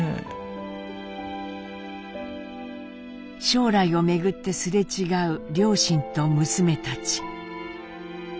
将来をめぐってすれ違う両親と娘たち。